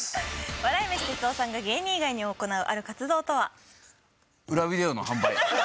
笑い飯哲夫さんが芸人以外に行うある活動とは？